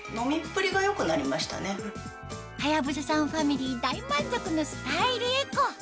はやぶささんファミリー大満足のスタイルエコ